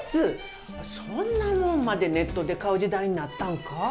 そんなもんまでネットで買う時代になったんか？